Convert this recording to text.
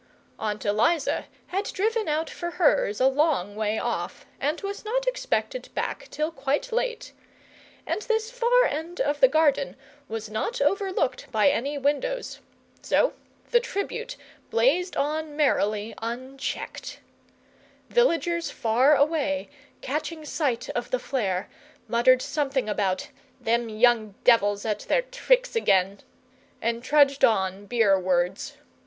Aunt Eliza had driven out for hers a long way off, and was not expected back till quite late; and this far end of the garden was not overlooked by any windows. So the Tribute blazed on merrily unchecked. Villagers far away, catching sight of the flare, muttered something about "them young devils at their tricks again," and trudged on beer wards.